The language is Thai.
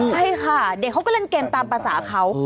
ใช่ค่ะเด็กเขาก็เล่นเกมตามภาษาเขา